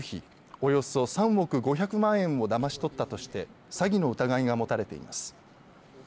およそ３億５００万円をだまし取ったとして詐欺の疑いが持たれています。